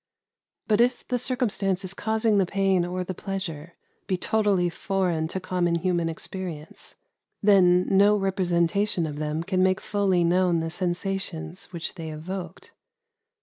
But if the circumstances causing the pain or the pleasure be totally foreign to common human experi ence, then no representation of them can make fully known the sensations which they evoked.